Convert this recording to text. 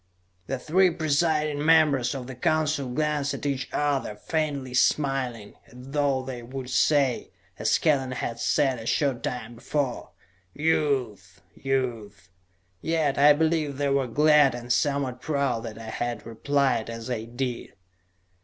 The three presiding members of the Council glanced at each other, faintly smiling, as though they would say, as Kellen had said a short time before: "Youth! Youth!" Yet I believe they were glad and somewhat proud that I had replied as I did.